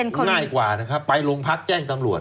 ง่ายกว่านะครับไปโรงพักแจ้งตำรวจ